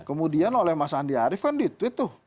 kemudian oleh mas andi arief kan dituit tuh